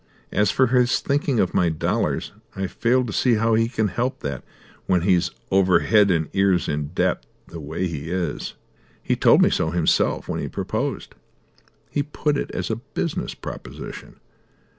As for his thinking of my dollars, I fail to see how he can help that when he's over head and ears in debt, the way he is. He told me so himself when he proposed. He put it as a business proposition.